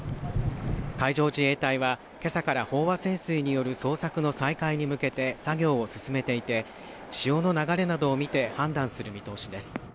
海上自衛隊は今朝から飽和潜水による捜索の再開に向けて作業を進めていて潮の流れなどを見て判断する見通しです。